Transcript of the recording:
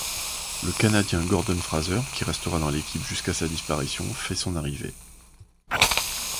Le Canadien Gordon Fraser, qui restera dans l'équipe jusqu'à sa disparition, fait son arrivée.